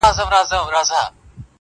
o مرگ حقه پياله ده.